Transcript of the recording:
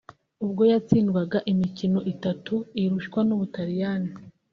ubwo yatsindwaga imikino itatu irushwa n’Ubutaliyani